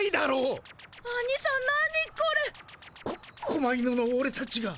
こ狛犬のオレたちが。